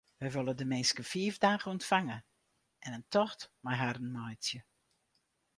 Wy wolle de minsken fiif dagen ûntfange en in tocht mei harren meitsje.